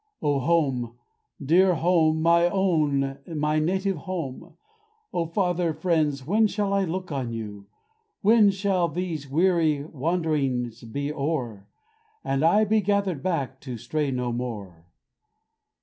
O home! dear home! my own, my native home! O Father, friends, when shall I look on you? When shall these weary wanderings be o'er, And I be gathered back to stray no more?